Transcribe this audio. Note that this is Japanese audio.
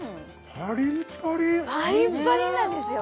パリンパリンなんですよ